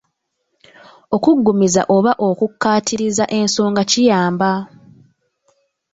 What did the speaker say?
Okuggumiza oba okukkaatiriza ensonga kiyamba.